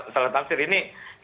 salah tafsir ini